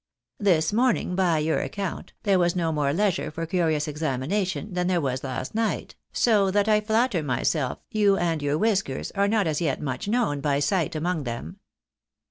This morning, by your account, there was no more leisure for curious examination, than there was last night, so that I flatter myself you and your whiskers are not as yet much known by sight among them.